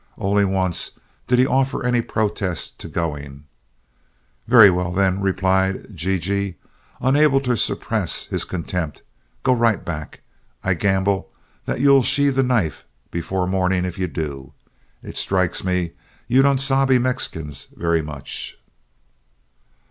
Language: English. Only once did he offer any protest to going. "Very well, then," replied G G, unable to suppress his contempt, "go right back. I'll gamble that you sheathe a knife before morning if you do. It strikes me you don't sabe Mexicans very much."